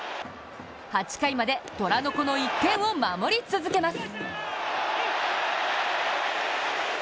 ８回まで虎の子の１点を守り続けます。